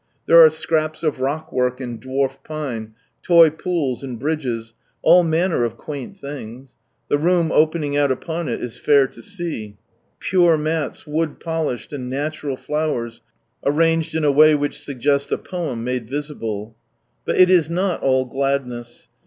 There are scraps of roclt work and dwarf pine, toy pools and bridges, all manner of tjuaint things. The room opening out upon it is fair to see; pure mats, wood polished, and natural, flowers arranged in a way which suggests a poem made visible. But it is not all gladness.